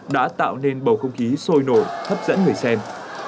đã tạo nên bầu không khí sôi nổi hấp dẫn người xem